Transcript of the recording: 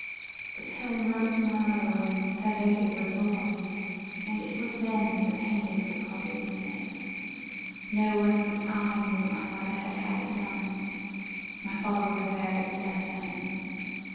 But Helen wrote to my mother when her baby was born, and it was then that the pendant was copied and sent. No one but I knew that my mother had had it done; my father was a very stern man.